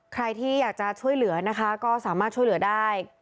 ใครที่อยากจะช่วยเหลือนะคะก็สามารถช่วยเหลือได้